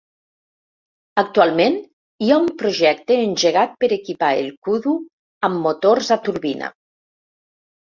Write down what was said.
Actualment, hi ha un projecte engegat per equipar el Kudu amb motors a turbina.